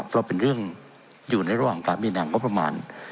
เพราะเป็นเรื่องอยู่ในระหว่างการมีหนังงบประมาณ